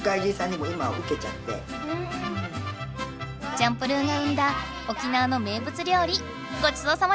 チャンプルーが生んだ沖縄の名ぶつりょう理ごちそうさまでした！